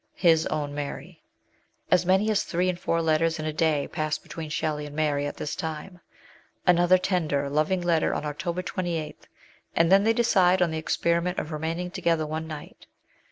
His OWN MART. As many as three and four letters in a day pass between Shelley and Mary at this time. Another tender, loving letter on October 28, and then they decide on the experiment of remaining together one night.